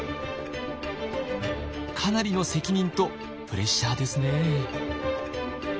かなりの責任とプレッシャーですね。